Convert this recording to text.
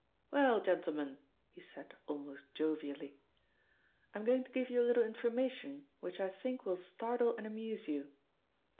"Well, gentlemen," he said almost jovially, "I'm going to give you a little information which I think will startle and amuse you."